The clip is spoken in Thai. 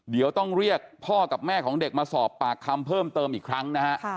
เดี๋ยวต้องเรียกพ่อกับแม่ของเด็กมาสอบปากคำเพิ่มเติมอีกครั้งนะฮะ